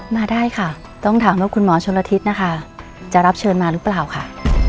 มาได้ค่ะต้องถามว่าคุณหมอชนละทิศนะคะจะรับเชิญมาหรือเปล่าค่ะ